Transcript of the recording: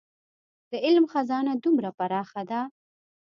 د علم خزانه دومره پراخه ده.